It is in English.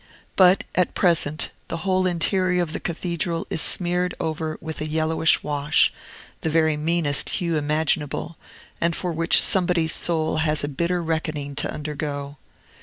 But, at present, the whole interior of the Cathedral is smeared over with a yellowish wash, the very meanest hue imaginable, and for which somebody's soul has a bitter reckoning to undergo.